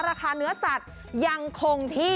ราคาเนื้อสัตว์ยังคงที่